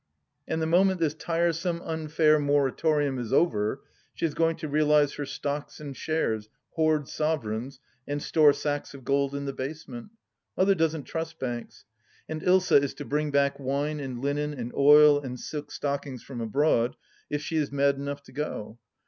And the moment this " tiresome, unfair " moratorium is over, she is going to realize her stocks and shares, hoard sovereigns, and store sacks of gold in the basement. Mother doesn't trust banks. And Ilsa is to bring back wine and linen and oil and silk stockings from abroad, if she is mad enough to go.